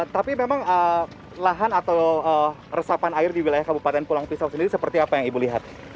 tapi memang lahan atau resapan air di wilayah kabupaten pulang pisau sendiri seperti apa yang ibu lihat